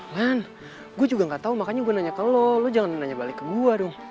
man gue juga gak tau makanya gue nanya ke lo lo jangan nanya balik ke gua dong